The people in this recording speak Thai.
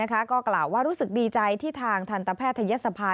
ก็กล่าวว่ารู้สึกดีใจที่ทางธรรมแพทย์ทะเยี๊ยสภา